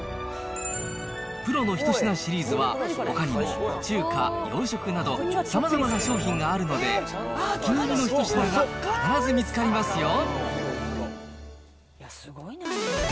プロのひと品シリーズは、ほかにも、中華、洋食などさまざまな商品があるので、お気に入りの一品が必ず見つかりますよ。